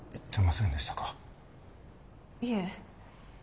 いえ。